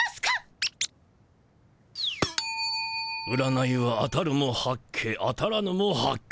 占いは「当たるも八卦当たらぬも八卦」